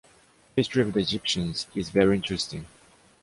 The history of the Egyptians is very interesting.